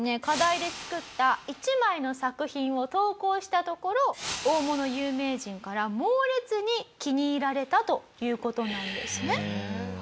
課題で作った一枚の作品を投稿したところ大物有名人から猛烈に気に入られたという事なんですね。